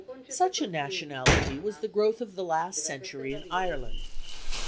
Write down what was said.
Such a nationality was the growth of the last century in Ireland.